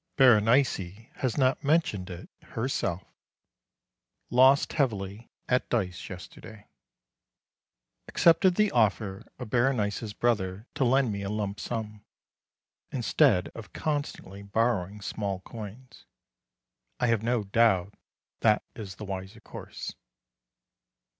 Berenice has not mentioned it herself. Lost heavily at dice yesterday. Accepted the offer of Berenice's brother to lend me a lump sum, instead of constantly borrowing small coins. I have no doubt that is the wiser course.